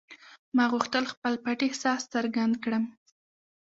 ما غوښتل خپل پټ احساس څرګند کړم